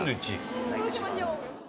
伊駒：どうしましょう？